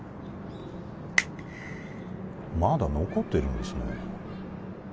まだ残ってるんですね